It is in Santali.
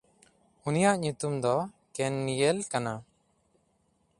ᱩᱱᱤᱭᱟᱜ ᱧᱩᱛᱩᱢ ᱫᱚ ᱠᱮᱱᱭᱮᱞ ᱠᱟᱱᱟ᱾